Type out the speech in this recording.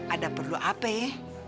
ada perlu apa ya